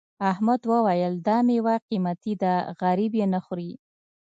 احمد وویل دا میوه قيمتي ده غريب یې نه خوري.